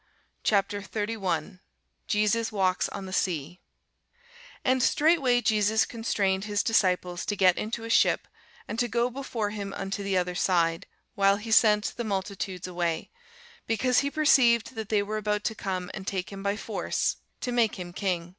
CHAPTER 31 JESUS WALKS ON THE SEA [Sidenote: St. Matthew 14] AND straightway Jesus constrained his disciples to get into a ship, and to go before him unto the other side, while he sent the multitudes away, because he perceived that they were about to come and take him by force, to make him king.